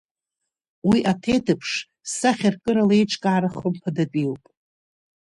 Уи аҭеиҭыԥш сахьаркырала аиҿкаара хымԥадатәиуп.